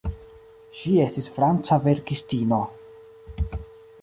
Ŝi estis franca verkistino.